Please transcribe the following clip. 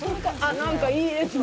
なんかいいですね。